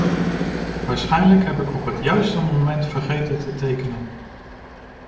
Waarschijnlijk heb ik op het juiste moment vergeten te tekenen.